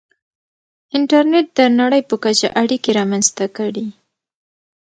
• انټرنېټ د نړۍ په کچه اړیکې رامنځته کړې.